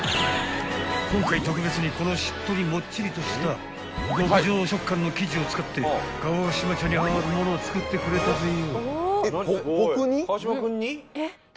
［今回特別にこのしっとりもっちりとした極上触感の生地を使って川島ちゃんにあるものを作ってくれたぜよ］